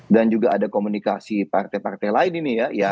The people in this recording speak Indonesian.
dan juga ada komunikasi partai partai lain ini ya